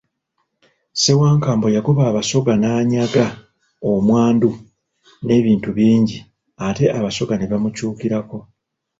Ssewankambo yagoba Abasoga n'anyaga omwandu n'ebintu bingi, ate Abasoga ne bamukyukirako.